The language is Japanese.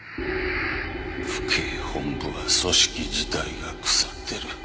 府警本部は組織自体が腐ってる。